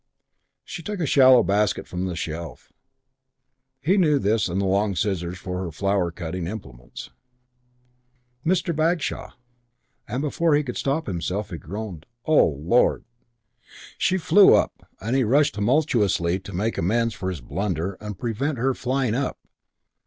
She took a shallow basket from the shelf. He knew this and the long scissors for her flower cutting implements. "Mr. Bagshaw." And before he could stop himself he had groaned, "Oh, lord!" She "flew up" and he rushed in tumultuously to make amends for his blunder and prevent her flying up.